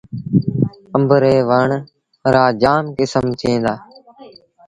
آݩب ري وڻ رآ جآم ڪسم ٿئيٚݩ دآ۔